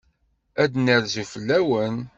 Ad d-nerzu fell-awen.